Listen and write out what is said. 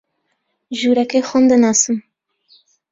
ژوورەکەی خۆم دەناسم